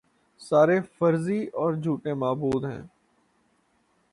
سارے فرضی اور جھوٹے معبود ہیں